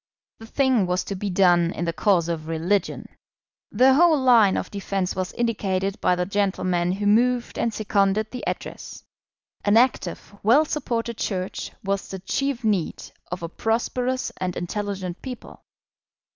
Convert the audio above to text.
The thing was to be done in the cause of religion. The whole line of defence was indicated by the gentlemen who moved and seconded the Address. An active, well supported Church was the chief need of a prosperous and intelligent people.